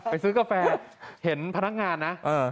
ซื้อกาแฟเห็นพนักงานนะ